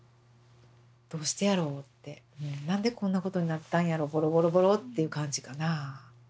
何でこんなことになったんやろボロボロボロっていう感じかな。